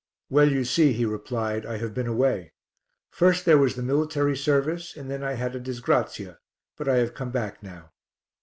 "Well, you see," he replied, "I have been away. First there was the military service and then I had a disgrazia; but I have come back now."